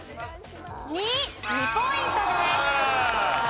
２。２ポイントです。